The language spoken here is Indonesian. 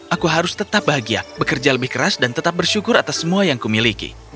aku harus tetap bahagia bekerja lebih keras dan tetap bersyukur atas semua yang kumiliki